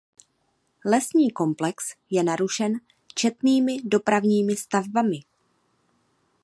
Lesní komplex je narušen četnými dopravními stavbami.